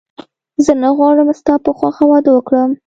زه نه غواړم ستا په خوښه واده وکړم